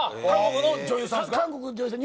韓国の女優さん